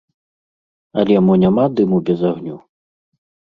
Але мо няма дыму без агню?